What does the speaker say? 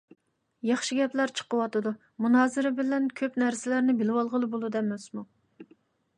ياخشى گەپلەر چىقىۋاتىدۇ. مۇنازىرە بىلەن كۆپ نەرسىلەرنى بىلىۋالغىلى بولىدۇ ئەمەسمۇ.